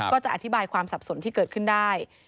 ก็จะอธิบายความสับสนที่เกิดขึ้นได้